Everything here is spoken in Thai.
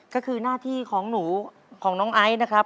ก็คือหน้าที่ของหนูของน้องไอซ์นะครับ